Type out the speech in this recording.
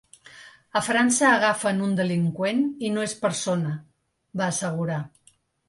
A França agafen un delinqüent i no és persona, va assegurar.